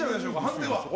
判定は？